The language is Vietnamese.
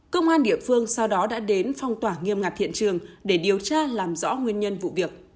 công an địa phương sau đó đã đến phong tỏa nghiêm ngặt hiện trường để điều tra làm rõ nguyên nhân vụ việc